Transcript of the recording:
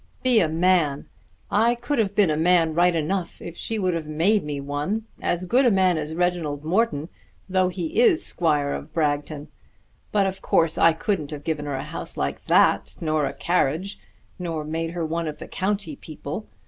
"Be a man! I could have been a man right enough if she would have made me one; as good a man as Reginald Morton, though he is squire of Bragton. But of course I couldn't have given her a house like that, nor a carriage, nor made her one of the county people.